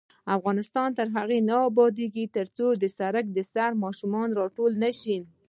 افغانستان تر هغو نه ابادیږي، ترڅو د سړک سر ماشومان راټول نشي.